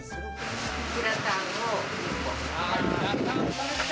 グラタンを２個。